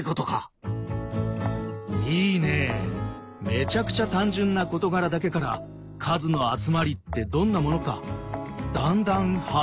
めちゃくちゃ単純な事柄だけから「数」の集まりってどんなものかだんだんハッキリしてきたね。